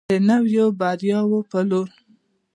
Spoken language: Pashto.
د نویو بریاوو په لور.